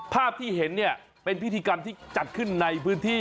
ภาพที่เห็นเนี่ยเป็นพิธีกรรมที่จัดขึ้นในพื้นที่